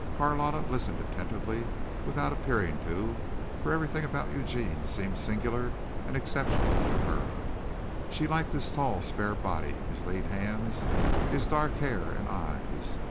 Carlotta listened attentively without appearing to, for everything about Eugene seemed singular and exceptional to her. She liked his tall, spare body, his lean hands, his dark hair and eyes.